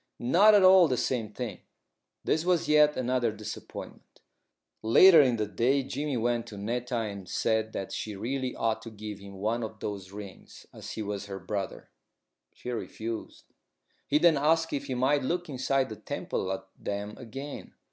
"Not at all the same thing." This was yet another disappointment. Later in the day Jimmy went to Netta and said that she really ought to give him one of those rings as he was her brother. She refused. He then asked if he might look inside the temple at them again.